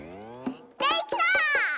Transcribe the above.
できた！